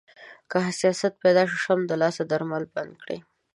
که حساسیت پیدا شو، سمدلاسه درمل بند کړئ.